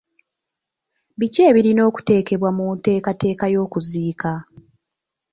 Biki ebirina okuteekebwa mu nteekateeka y'okuziika?